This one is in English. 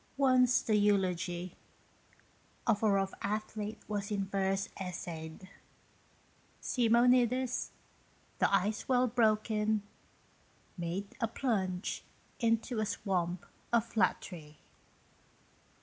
Once, the eulogy Of a rough athlete was in verse essayed. Simonides, the ice well broken, made A plunge into a swamp of flattery.